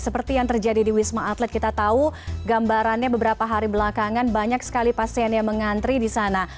seperti yang terjadi di wisma atlet kita tahu gambarannya beberapa hari belakangan banyak sekali pasien yang mengantri di sana